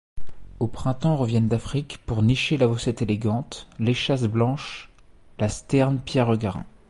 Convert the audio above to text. Au printemps reviennent d'Afrique pour nicher l'avocette élégante, l'échasse blanche, la sterne pierregarin.